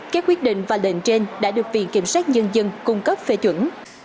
các quyết định và lệnh trên đã được viện kiểm sát nhân dân cung cấp phê chuẩn